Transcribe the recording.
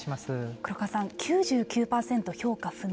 黒川さん、９９％評価不能